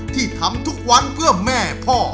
ที่ทำทุกวันเพื่อแม่พ่อ